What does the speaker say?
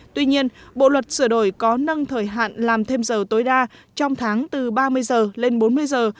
tuy nhiên bộ luật sửa đổi có nâng thời hạn làm thêm giờ tối đa trong tháng từ ba mươi giờ lên bốn mươi giờ